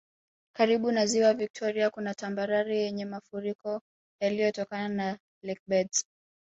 Karibu na Ziwa Viktoria kuna tambarare yenye mafuriko yaliyotokana na lakebeds